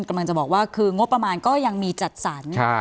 กำลังจะบอกว่าคืองบประมาณก็ยังมีจัดสรร